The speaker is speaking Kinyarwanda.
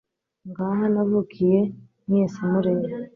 ngaha navukiye mwese mureba